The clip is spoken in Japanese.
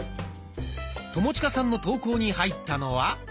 友近さんの投稿に入ったのは。